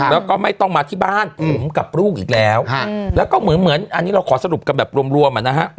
แล้วก็ไม่ต้องมาที่บ้านผมกับลูกอีกแล้วแล้วก็เหมือนอันนี้เราขอสรุปกันแบบรวมอ่ะนะฮะ